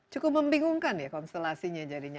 cukup membingungkan ya konstelasinya jadinya